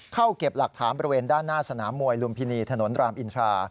เก็บหลักฐานบริเวณด้านหน้าสนามมวยลุมพินีถนนรามอินทรา